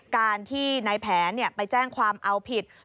การที่นายแผนเนี่ยไปแจ้งความเอาผิด